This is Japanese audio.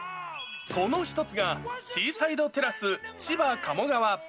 その一つが、シーサイドテラス千葉鴨川。